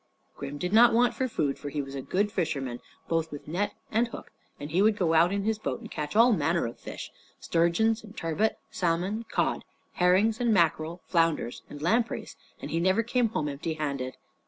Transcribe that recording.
Grim did not want for food, for he was a good fisherman both with net and hook, and he would go out in his boat and catch all manner of fish sturgeons, turbot, salmon, cod, herrings, mackerel, flounders, and lampreys, and he never came home empty handed.